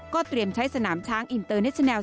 เตรียมใช้สนามช้างอินเตอร์เนสแลล